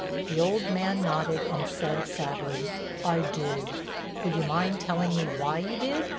The old man nodded and said sadly: "I did." "Would you mind telling me why you did?"